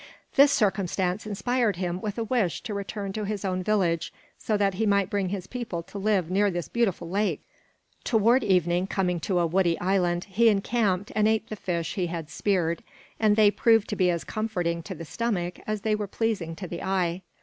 This circumstance inspired him with a wish to return to his own village, so that he might bring his people to live near this beautiful lake. Toward evening, coming to a woody island, he encamped and ate the fish he had speared, and they proved to be as comforting to the stomach as they were pleasing to the eye.